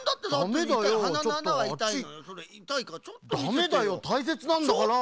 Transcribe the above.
ダメだよたいせつなんだから！